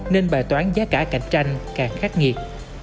nên bài toán giá cả cạnh tranh càng khắc nghiệt